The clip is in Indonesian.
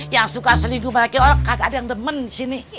yang suka selingkuh makin orang kagak ada yang demen disini